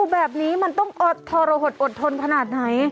แบบนี้มันต้องทรหดอดทนขนาดไหน